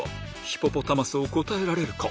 ヒポポタマスを答えられるか？